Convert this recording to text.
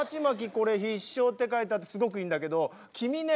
これ「必勝」って書いてあってすごくいいんだけど君ね